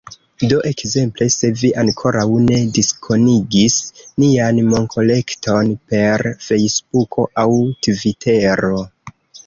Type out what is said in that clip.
Do ekzemple, se vi ankoraŭ ne diskonigis nian monkolekton per Fejsbuko aŭ Tvitero